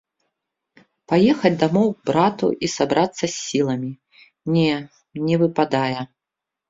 Паехаць дамоў к брату і сабрацца з сіламі — не, не выпадае.